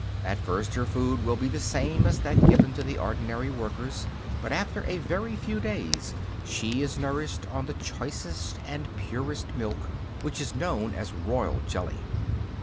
At first, her food will be the same as that given to the ordinary workers, but after a very few days she is nourished on the choicest and purest milk, which is known as "royal jelly."